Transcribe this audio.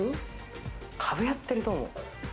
株やってると思う。